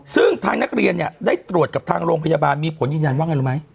ซึ่งทางนักเรียนเนี่ยได้ตรวจกับทางโรงพยาบาลมีผลยืนยันว่าไงรู้ไหม